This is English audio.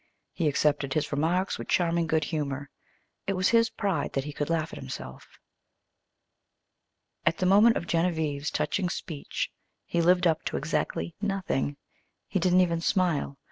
He accepted his remarks with charming good humor. It was his pride that he could laugh at himself. At the moment of Genevieve's touching speech he lived up to exactly nothing. He didn't even smile.